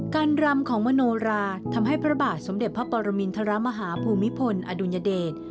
รำของมโนราทำให้พระบาทสมเด็จพระปรมินทรมาฮาภูมิพลอดุลยเดช